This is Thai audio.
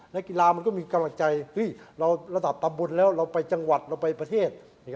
นักกีฬามันก็มีกำลังใจเราระดับตำบลแล้วเราไปจังหวัดเราไปประเทศ